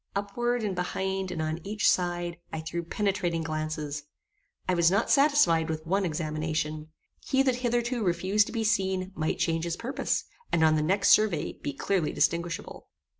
Upward, and behind, and on each side, I threw penetrating glances. I was not satisfied with one examination. He that hitherto refused to be seen, might change his purpose, and on the next survey be clearly distinguishable.